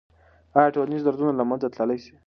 آیا ټولنیز درزونه له منځه تللی سي؟